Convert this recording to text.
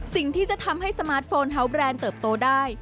สิ่งที่จะทำให้สมาร์ทโฟนเฮาส์แบรนด์เติบโตได้